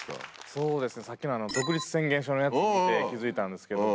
そうですねさっきの独立宣言書のやつ見てて気付いたんですけど